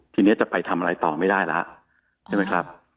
ทีนี้จะไปทำอะไรต่อไม่ได้แล้วใช่ไหมครับ